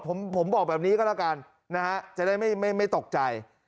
ผมผมบอกแบบนี้ก็แล้วกันนะฮะจะได้ไม่ตกใจ